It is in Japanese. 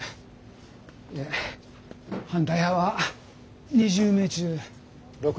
で反対派は２０名中６人で。